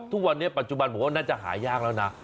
ทุกวันนี้ปัจจุบันบอกว่าน่าจะหายากแล้วนะ